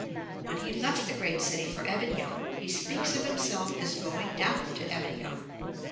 When he left the great city for Avignon he speaks of himself as 'going down to Avignon' (p.